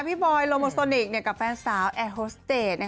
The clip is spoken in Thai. พี่บอยลโลโมสตอนิกกับแฟนสาวแอบโฮสเตส